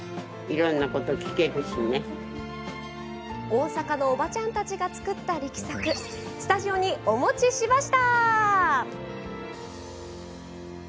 大阪のおばちゃんたちが作った力作、スタジオにお持ちしました。